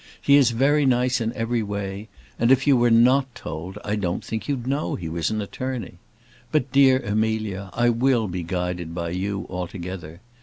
He is very nice in every way, and if you were not told, I don't think you'd know he was an attorney. But, dear Amelia, I will be guided by you altogether.